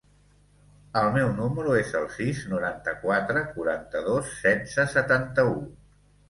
El meu número es el sis, noranta-quatre, quaranta-dos, setze, setanta-u.